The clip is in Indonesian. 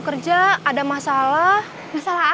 berusaha cerita sekolah